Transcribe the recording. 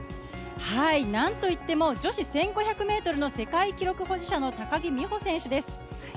なんといっても女子１５００メートルの世界記録保持者の高木美帆選手です。